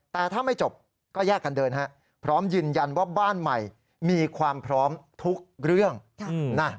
แต่ถ้าไม่จบก็แยกกันเดินฮะพร้อมยืนยันว่าบ้านใหม่มีความพร้อมทุกเรื่องนะ